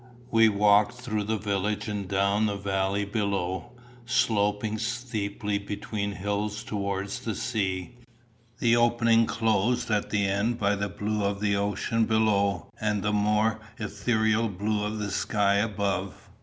We walked through the village and down the valley beyond, sloping steeply between hills towards the sea, the opening closed at the end by the blue of the ocean below and the more ethereal blue of the sky above.